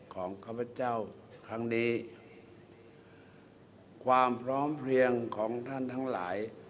ข้าพเจ้าครั้งนี้ความพร้อมเพลียงของท่านทั้งหลาย